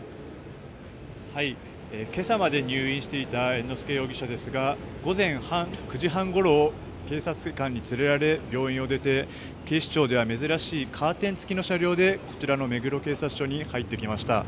今朝まで入院していた猿之助容疑者ですが午前９時半ごろ警察官に連れられ病院を出て警視庁では珍しいカーテン付きの車両でこちらの目黒警察署に入ってきました。